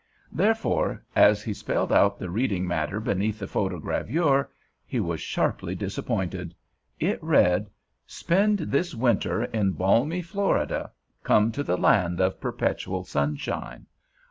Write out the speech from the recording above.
Therefore, as he spelled out the reading matter beneath the photogravure, he was sharply disappointed. It read: Spend this winter in balmy Florida. Come to the Land of Perpetual Sunshine.